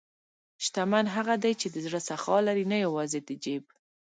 شتمن هغه دی چې د زړه سخا لري، نه یوازې د جیب.